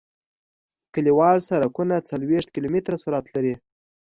کلیوال سرکونه څلویښت کیلومتره سرعت لري